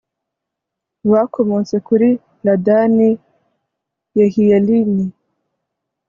bakomotse kuri ladani yehiyelini